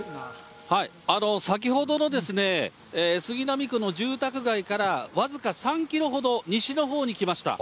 先ほどの杉並区の住宅街から僅か３キロほど西のほうに来ました。